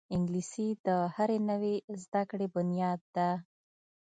انګلیسي د هرې نوې زده کړې بنیاد ده